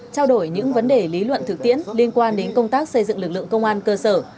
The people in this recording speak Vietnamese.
trao đổi những vấn đề lý luận thực tiễn liên quan đến công tác xây dựng lực lượng công an cơ sở